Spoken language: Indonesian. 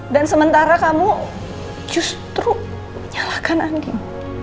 dan sementara kamu justru menyalahkan andin